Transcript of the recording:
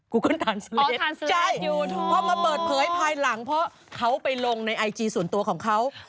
พอมาเปิดเผยภายหลังเพราะเขาไปลงในไอจีส่วนตัวของเขา